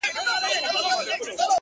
اوس بيا د ښار په ماځيگر كي جادو”